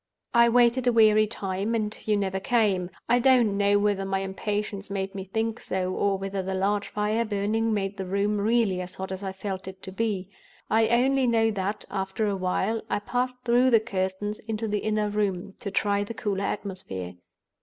"I waited a weary time, and you never came: I don't know whether my impatience made me think so, or whether the large fire burning made the room really as hot as I felt it to be—I only know that, after a while, I passed through the curtains into the inner room, to try the cooler atmosphere.